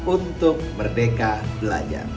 untuk merdeka belajar